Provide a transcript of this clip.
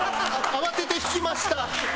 慌てて引きました。